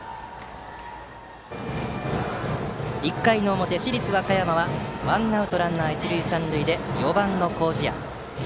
１回の表、市立和歌山はワンアウトランナー、一塁三塁で４番、麹家。